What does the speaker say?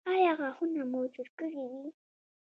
ایا غاښونه مو جوړ کړي دي؟